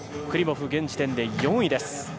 クリモフ、現時点で４位。